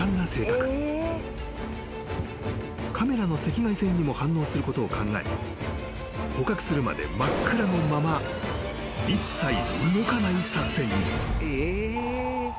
［カメラの赤外線にも反応することを考え捕獲するまで真っ暗のまま一切動かない作戦に］